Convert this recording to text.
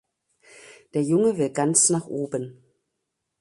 Der Junge will ganz nach oben.